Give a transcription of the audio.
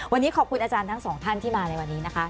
วันนี้ขอบคุณอาจารย์ทั้งสองท่านที่มาในวันนี้นะคะ